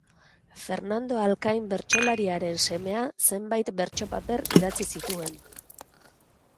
Fernando Alkain bertsolariaren semea, zenbait bertso-paper idatzi zituen.